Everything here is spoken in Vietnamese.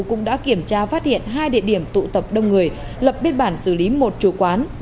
cũng đã kiểm tra phát hiện hai địa điểm tụ tập đông người lập biên bản xử lý một chủ quán